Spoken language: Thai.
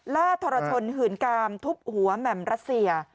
ทรชนหืนกามทุบหัวแหม่มรัสเซีย